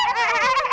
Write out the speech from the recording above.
terima kasih mak